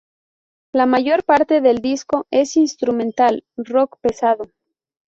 La mayor parte del disco es instrumental rock pesado.